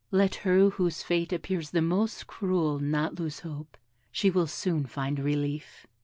Let her whose fate appears the most cruel not lose hope she will soon find relief.'